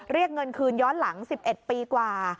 เรียกเงินคืนย้อนหลัง๑๑ปีกว่า